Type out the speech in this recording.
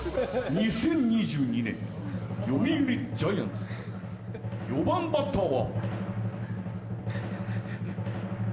２０２２年読売ジャイアンツ５番バッターは。